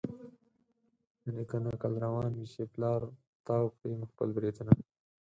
د نیکه نکل روان وي چي پلار تاو کړي خپل برېتونه